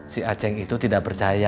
si aceh itu tidak percaya